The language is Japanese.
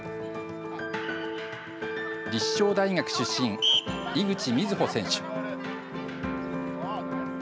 立正大学出身、井口瑞穂選手。